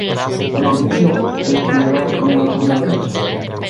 El edificio fue diseñado con una forma de "H".